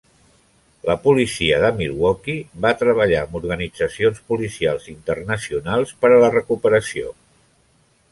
La policia de Milwaukee va treballar amb organitzacions policials internacionals per a la recuperació.